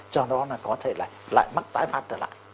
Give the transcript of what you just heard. cho nó có thể là lại mắc tái phát trở lại